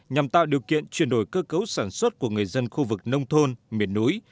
nhằm tạo điều kiện chuyển đổi cơ cấu sản xuất của người dân khu vực nông thôn miền núi